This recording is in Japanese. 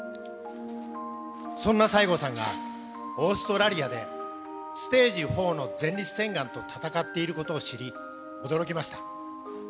そんな西郷さんがオーストラリアで、ステージ４の前立腺がんと闘っていることを知り、驚きました。